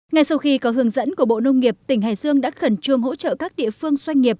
ngay sau khi có hướng dẫn của bộ nông nghiệp tỉnh hải dương đã khẩn trương hỗ trợ các địa phương doanh nghiệp